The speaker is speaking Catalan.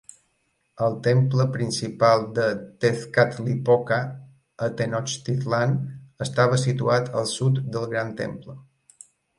El temple principal de Tezcatlipoca, a Tenochtitlan, estava situat al sud del Gran Temple.